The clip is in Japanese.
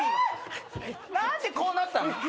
何でこうなったの？